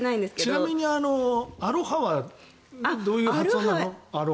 ちなみにアロハはどういう発音なの？